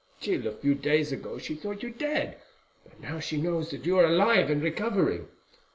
"Till a few days ago she thought you dead; but now she knows that you are alive and recovering.